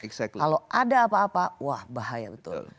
kalau ada apa apa wah bahaya betul